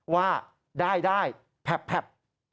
ว่าได้แผบ